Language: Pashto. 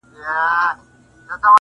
ته احمق یې خو له بخته ګړندی یې-